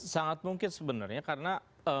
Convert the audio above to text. sangat mungkin sebenarnya karena